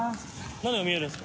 何が見えるんですか？